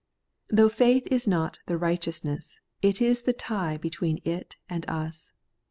Though faith is not ' the righteousness,' it is the tie between it and us.